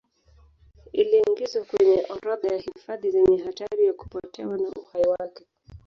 Iliingizwa kwenye orodha ya hifadhi zenye hatari ya kupotewa na uhai wake